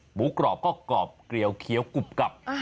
หมูกรอบก็กรอบเกลียวเคี้ยวกรุบกรับ